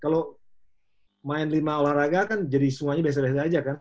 kalau main lima olahraga kan jadi semuanya biasa biasa aja kan